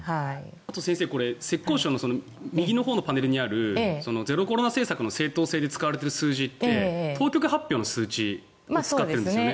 先生、浙江省の右のパネルにあるゼロコロナ政策の正当性で使われている数字って当局発表の数値を使っているんですよね。